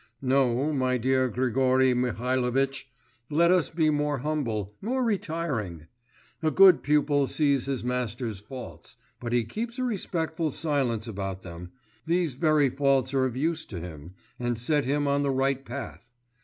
No, my dear Grigory Mihalovitch, let us be more humble, more retiring. A good pupil sees his master's faults, but he keeps a respectful silence about them; these very faults are of use to him, and set him on the right path.